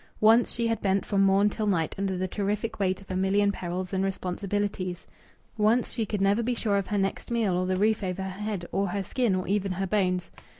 Once she had bent from morn till night under the terrific weight of a million perils and responsibilities. Once she could never be sure of her next meal, or the roof over her head, or her skin, or even her bones.